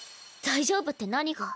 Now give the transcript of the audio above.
大丈夫って何が？